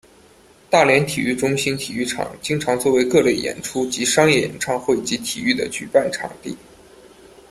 大连体育中心体育场经常作为各类演出及商业演唱会及体育的举办场地。